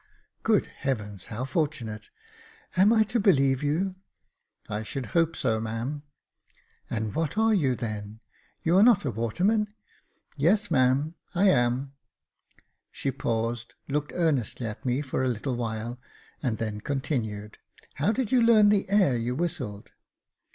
" Good heavens, how fortunate ! Am I to believe you ?"" I should hope so, ma'am." " And what are you, then ? You are not a waterman ?"" Yes, ma'am, I am." She paused, looked earnestly at me for a little while, and then continued, " How did you learn the air you whistled